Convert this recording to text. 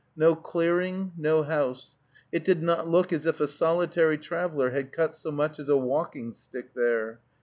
No clearing, no house. It did not look as if a solitary traveler had cut so much as a walking stick there.